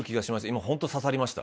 今本当刺さりました。